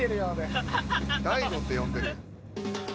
「大悟」って呼んでるやん。